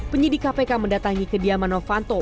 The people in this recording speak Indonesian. penyidik kpk mendatangi kediaman novanto